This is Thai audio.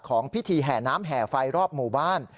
ของพิธีแห่น้ำแห่ไฟรอบหมู่บ้าน